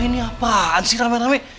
ini apaan sih rame rame